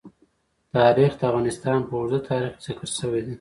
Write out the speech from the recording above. تاریخ د افغانستان په اوږده تاریخ کې ذکر شوی دی.